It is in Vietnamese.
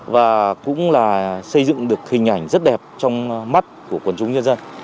và cũng là xây dựng được hình ảnh rất đẹp trong mắt của quần chúng nhân dân